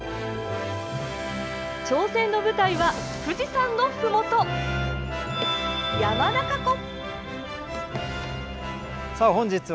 挑戦の舞台は富士山のふもと、山中湖。